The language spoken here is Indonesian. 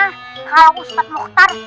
kalau ustaz muhtar